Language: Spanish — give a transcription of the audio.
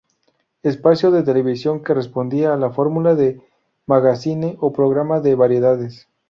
Espacio de televisión que respondía a la fórmula de magazine o programa de variedades.